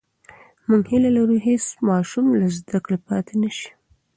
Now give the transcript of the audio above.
موږ هیله لرو چې هېڅ ماشوم له زده کړې پاتې نسي.